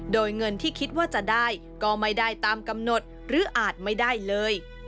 โดยเงินที่คิดว่าจะได้ก็ไม่ได้ตามกำหนดหรืออาจไม่ได้เลย